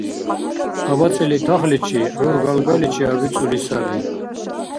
АбацӀили тахличи, гӀур галгаличи абицӀули саби.